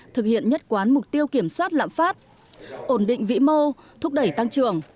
thực hiện nhất quán mục tiêu kiểm soát lãm phát ổn định vĩ mô thúc đẩy tăng trưởng